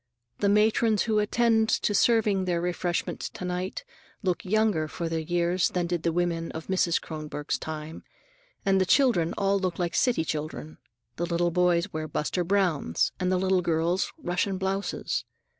The matrons who attend to serving the refreshments to night look younger for their years than did the women of Mrs. Kronborg's time, and the children all look like city children. The little boys wear "Buster Browns" and the little girls Russian blouses.